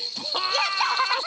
やった！